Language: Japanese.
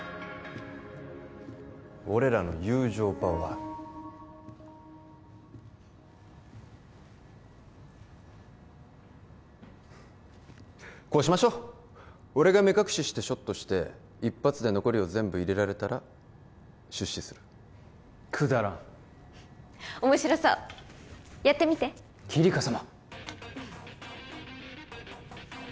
俺らの友情パワーにこうしましょう俺が目隠ししてショットして一発で残りを全部入れられたら出資するくだらん面白そうやってみてキリカ様